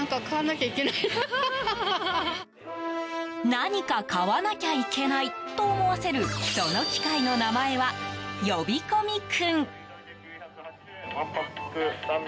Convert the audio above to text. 何か買わなきゃいけないと思わせるその機械の名前は、呼び込み君。